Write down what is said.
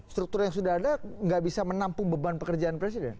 struktur yang sudah ada nggak bisa menampung beban pekerjaan presiden